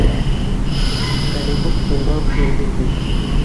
Ҡәрипов шунда уҡ йән бирҙе.